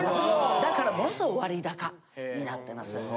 だからものすごい割高になってます。